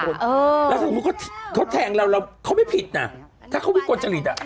แล้วสมมุติเขาแทงเราเราเขาไม่ผิดน่ะถ้าเขาวิกลจริตอ่ะ